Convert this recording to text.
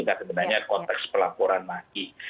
karena sebenarnya konteks pelaporan lagi